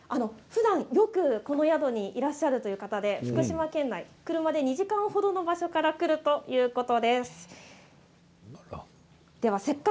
ふだん、よくこの宿にいらっしゃるという方で福島県内、車で２時間ほどの場所から来るということです。